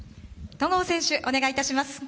戸郷選手お願いいたします。